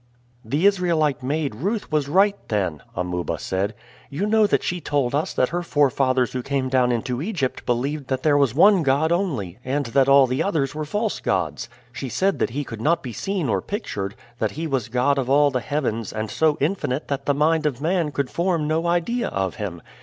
"The Israelite maid Ruth was right, then," Amuba said. "You know that she told us that her forefathers who came down into Egypt believed that there was one God only, and that all the others were false gods. She said that he could not be seen or pictured; that he was God of all the heavens, and so infinite that the mind of man could form no idea of him.